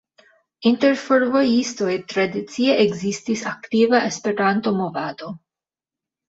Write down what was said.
Inter fervojistoj tradicie ekzistis aktiva Esperanto-movado.